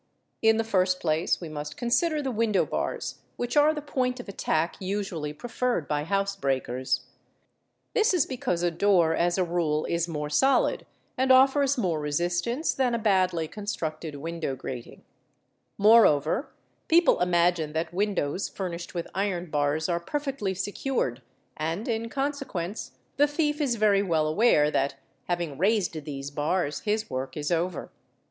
In | the first place we must consider the window bars, which are the point of a tack usually preferred by housebreakers. This is because a door as a ule is more solid and offers more resistance then a badly constructed ~ window erating ; moreover people imagine that windows furnished with 'iron bars are perfectly secured and in consequence the thief is very yell aware that, having raised these bars, his work is over.